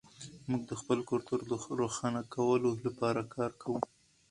موږ د خپل کلتور د روښانه کولو لپاره کار کوو.